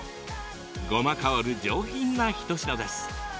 ごま香る上品な一品です。